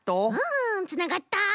うんつながった！